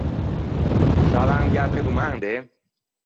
Sciâ l’an de atre domande?